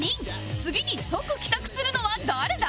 次に即帰宅するのは誰だ？